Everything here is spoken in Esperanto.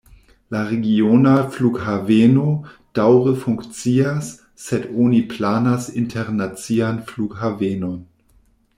La regiona flughaveno daŭre funkcias, sed oni planas internacian flughavenon.